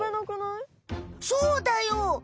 そうだよ！